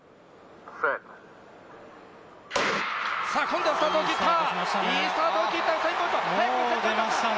今度はスタート切った！